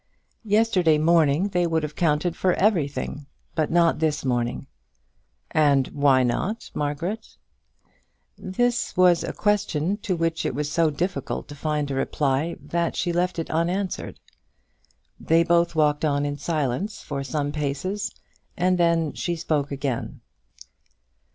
"Yesterday morning they would have counted for everything; but not this morning." "And why not, Margaret?" This was a question to which it was so difficult to find a reply, that she left it unanswered. They both walked on in silence for some paces, and then she spoke again.